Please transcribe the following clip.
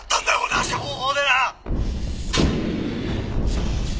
同じ方法で」